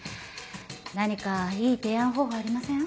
何かいい提案方法ありません？